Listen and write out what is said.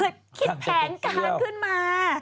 ดังนั้นก็เลยคิดแผนการขึ้นมา